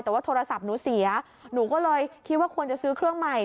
แต่ว่าโทรศัพท์หนูเสียหนูก็เลยคิดว่าควรจะซื้อเครื่องใหม่